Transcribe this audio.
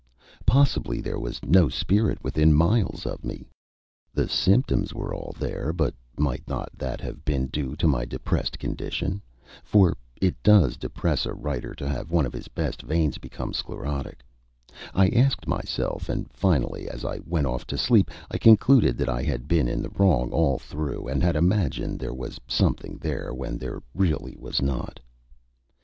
Possibly there was no spirit within miles of me. The symptoms were all there, but might not that have been due to my depressed condition for it does depress a writer to have one of his best veins become sclerotic I asked myself, and finally, as I went off to sleep, I concluded that I had been in the wrong all through, and had imagined there was something there when there really was not.